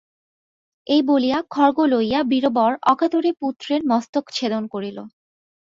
এই বলিয়া খড়গ লইয়া বীরবর অকাতরে পুত্রের মস্তকচ্ছেদন করিল।